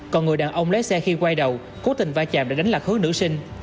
còn người đàn ông lái xe khi quay đầu cố tình va chạm để đánh lạc hướng nữ sinh